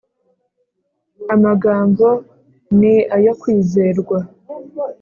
amagambo ni ayo kwizerwa